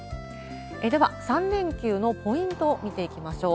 では、３連休のポイントを見ていきましょう。